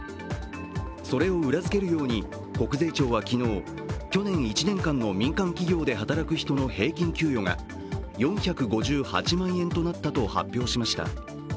それを裏づけるように国税庁は昨日去年１年間の民間企業で働く人の平均給与が４５８万円となったと発表しました。